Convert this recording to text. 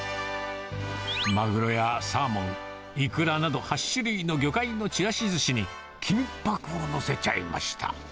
まぐろやサーモン、いくらなど８種類の魚介のちらしずしに金ぱくを載せちゃいました。